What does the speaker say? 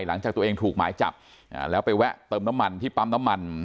หลังจากตัวเองถูกหมายจับแล้วไปแวะเติมน้ำมันที่ปั๊มน้ำมัน